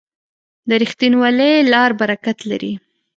د رښتینولۍ لار برکت لري.